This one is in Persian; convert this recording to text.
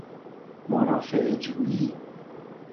مرافعه جویی